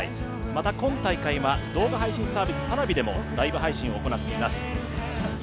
また、今大会は動画配信サービスＰａｒａｖｉでもライブ配信を行っています。